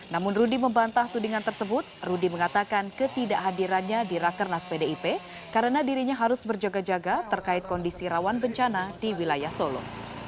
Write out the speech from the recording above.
namun rudy membantah tudingan tersebut rudy mengatakan ketidakhadirannya di rakernas pdip karena dirinya harus berjaga jaga terkait kondisi rawan bencana di wilayah solo